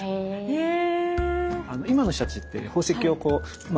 へえ。